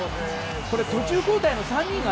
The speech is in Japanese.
途中交代の３人が。